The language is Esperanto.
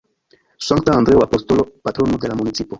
Sankta Andreo Apostolo, Patrono de la municipo.